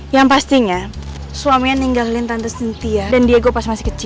yang pastinya suaminya ninggalin tante sintia dan diego pas masih kecil